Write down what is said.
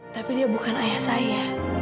tapi dia bukan ayah saya